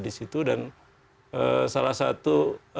di situ dan salah satu